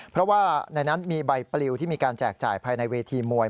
เพราะว่าในนั้นมีใบปลิวที่มีการแจกจ่ายภายในเวทีมวย